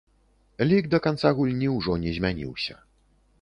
Лік да канца гульні ўжо не змяніўся.